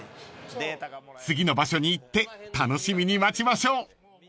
［次の場所に行って楽しみに待ちましょう］